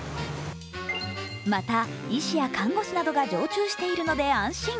また、医師や看護師などが常駐しているので安心。